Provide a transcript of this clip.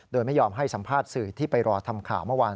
โดยไม่ยอมให้สัมภาษณ์สื่อที่ไปรอทำข่าวเมื่อวาน